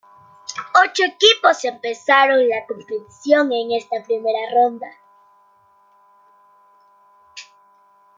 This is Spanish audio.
Ocho equipos empezaron la competición en esta primera ronda.